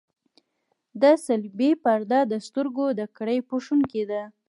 د صلبیې پرده د سترګو د کرې پوښوونکې ده.